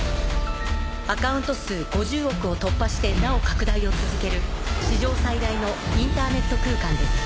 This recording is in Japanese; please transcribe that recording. アカウント数５０億を突破してなお拡大を続ける史上最大のインターネット空間です。